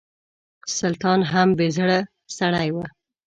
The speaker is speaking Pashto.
سلطان هم بې زړه سړی و.